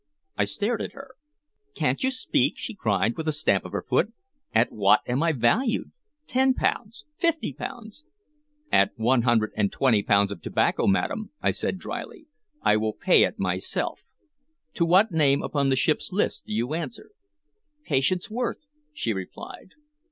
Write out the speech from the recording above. I stared at her. "Can't you speak?" she cried, with a stamp of her foot. "At what am I valued? Ten pounds fifty pounds" "At one hundred and twenty pounds of tobacco, madam," I said dryly. "I will pay it myself. To what name upon the ship's list do you answer?" "Patience Worth," she replied.